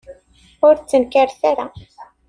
Ur ttnekkaret ara.